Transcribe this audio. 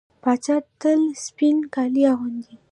پاچا تل سپين کالي اغوندي .